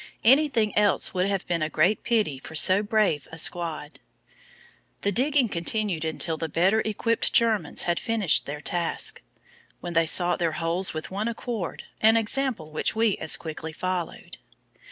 Anything else would have been a great pity for so brave a squad. The digging continued until the better equipped Germans had finished their task; when they sought their holes with one accord, an example which we as quickly followed.